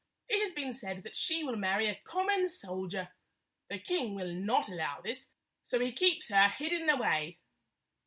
It has been said that she will marry a common soldier. ? The 1 66 king will not allow this, so he keeps her hidden away."